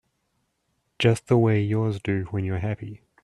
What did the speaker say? Just the way yours do when you're happy.